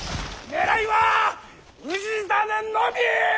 狙いは氏真のみ！